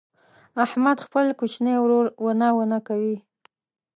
احمد خپل کوچنی ورور ونه ونه کوي.